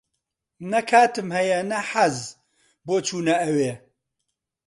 نە کاتم ھەیە نە حەز، بۆ چوونە ئەوێ.